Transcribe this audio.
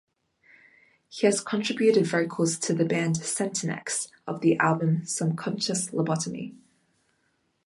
He has contributed vocals to the band Centinex of the album "Subconscious Lobotomy".